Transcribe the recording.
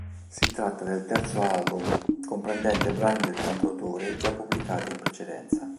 Si tratta del terzo album comprendente brani del cantautore già pubblicati in precedenza.